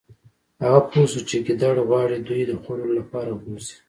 هغه پوه شو چې ګیدړ غواړي دوی د خوړلو لپاره بوزي